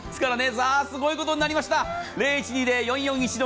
さぁ、すごいことになりました。